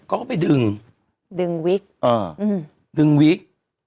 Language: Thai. ก็ไปดึงดึงวิคอ่าอื้มดึงวิค